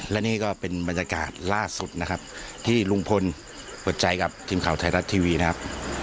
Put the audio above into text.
และนี่ก็เป็นบรรยากาศล่าสุดนะครับที่ลุงพลเปิดใจกับทีมข่าวไทยรัฐทีวีนะครับ